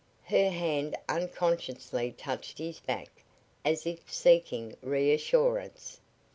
Her hand unconsciously touched his back as if seeking reassurance.